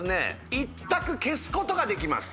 １択消すことができます